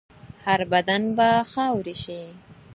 هر بدن به خاوره شي.